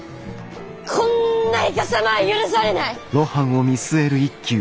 こんなイカサマは許されない。